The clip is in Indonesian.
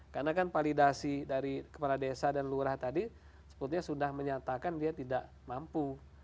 karena kan validasi dari kepala desa dan lurah tadi sebetulnya sudah menyatakan dia tidak mampu